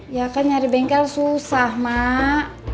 ya kan nyari bengkel susah mak